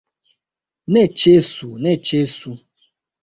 Ne ĉesu, ne ĉesu!